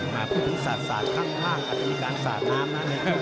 มาพูดถึงสาดข้างล่างอาจจะมีการสาดน้ำนะครับ